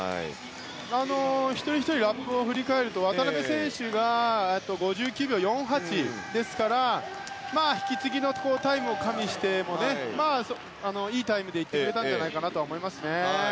一人ひとりのラップを振り返ると渡辺選手が５９秒４８ですから引き継ぎのタイムを加味してもいいタイムで行ってくれたんじゃないかなと思います。